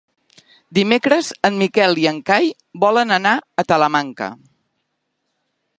Dimecres en Miquel i en Cai volen anar a Talamanca.